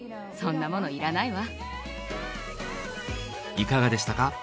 いかがでしたか？